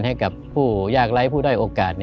ให้กับผู้ยากไร้ผู้ด้อยโอกาส